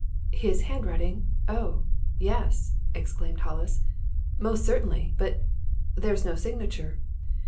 "His handwriting oh, yes!" exclaimed Hollis. "Most certainly! But there's no signature!"